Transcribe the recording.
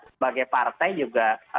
sebagai partai juga